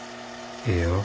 ええよ。